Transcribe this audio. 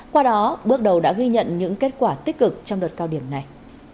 qua đó bước đầu đã ghi nhận những kết quả tích cực trong đợt cao điểm này